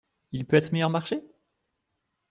Il peut être meilleur marché ?